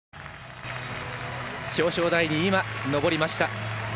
表彰台に今、上りました。